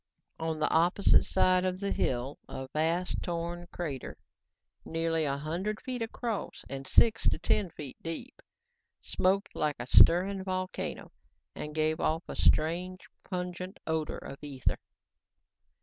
On the opposite side of the hill, a vast, torn crater, nearly a hundred feet across and six to ten feet deep, smoked like a stirring volcano and gave off a strange, pungent odor of ether.